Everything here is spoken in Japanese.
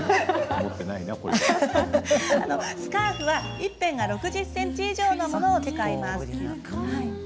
スカーフは一辺が６０ｃｍ以上のものを使います。